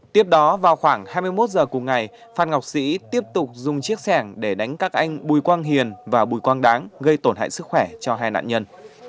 tiếp đó vào khoảng hai mươi một h cùng ngày phan ngọc sĩ tiếp tục dùng chiếc sẻng để đánh các anh bùi quang hiền và bùi quang đáng gây tổn hại sức khỏe cho hai nạn nhân